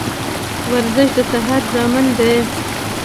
ورزش دصحت ضامن دي.